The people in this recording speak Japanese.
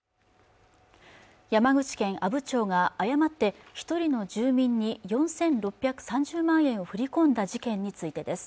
山口県阿武町が誤って一人の住民に４６３０万円を振り込んだ事件についてです